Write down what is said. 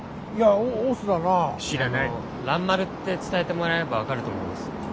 あの蘭丸って伝えてもらえば分かると思うんです。